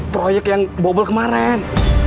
proyek yang bobel kemarin